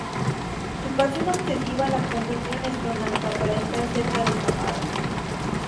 Su pasión obsesiva la convirtió en astronauta, para estar cerca de su amado.